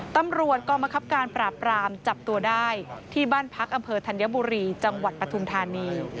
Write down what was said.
ตำรวจกองมะครับการปราบรามจับตัวได้ที่บ้านพักอำเภอธัญบุรีจังหวัดปฐุมธานี